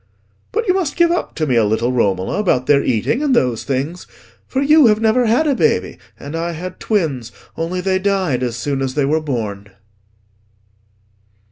"But you must give up to me a little, Romola, about their eating, and those things. For you have never had a baby, and I had twins, only they died as soon as they were born."